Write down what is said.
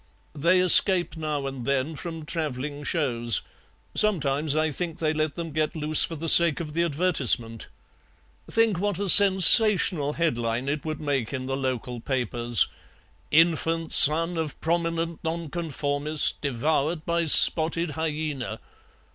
"They escape now and then from travelling shows. Sometimes I think they let them get loose for the sake of the advertisement. Think what a sensational headline it would make in the local papers: 'Infant son of prominent Nonconformist devoured by spotted hyaena.'